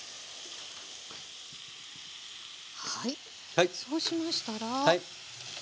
はいそうしましたら。